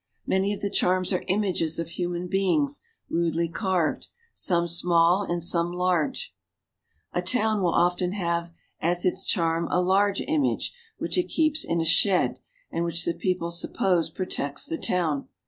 Many of the charms are images of human beings rudely carved, some small and some large. Worshiping a felish. A town will often have as its charm a large image, which it keeps in a shed, and which the people suppose protects the town.